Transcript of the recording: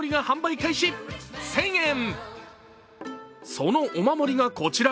そのお守りがこちら。